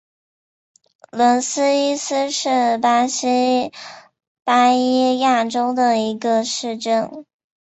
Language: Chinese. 伦索伊斯是巴西巴伊亚州的一个市镇。